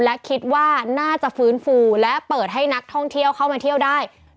และคิดว่าน่าจะฟื้นฟูและเปิดให้นักท่องเที่ยวเข้ามาเที่ยวได้